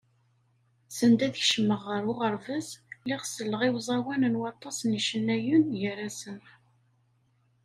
Send ad kecmeɣ ɣer uɣerbaz, lliɣ selleɣ i uẓawan n waṭas n yicennayen, gar-asen.